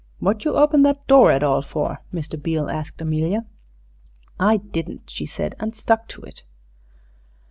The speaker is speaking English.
"What you open that door at all for?" Mr. Beale asked Amelia. "I didn't," she said, and stuck to it.